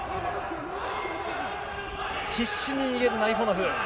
必死に逃げるナイフォノフ。